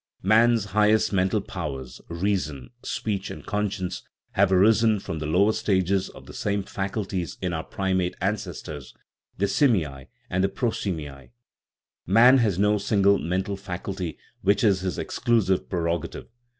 Man's highest mental powers reason, speech, and conscience have arisen from the lower stages of the same faculties in our primate ancestors 1 06 THE NATURE OF THE SOUL (the simiae and prosimiae). Man has no single mental faculty which is his exclusive prerogative.